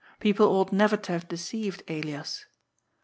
Pepple ought never to have deceived Elias.